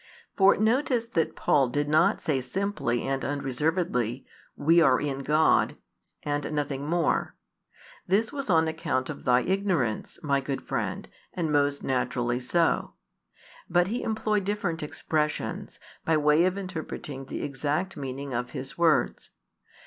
For notice that Paul did not say simply and unreservedly, "We are in God," and nothing more. This was on account of thy ignorance, my good friend, and most naturally so. But he employed different expressions, by way of interpreting the exact meaning of his words.